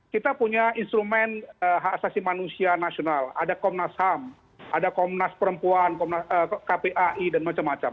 kita punya instrumen hak asasi manusia nasional ada komnas ham ada komnas perempuan kpai dan macam macam